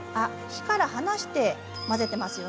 火から離して混ぜています。